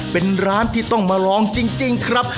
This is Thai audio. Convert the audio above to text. เป็นร้านที่ต้องมาลองจริงครับ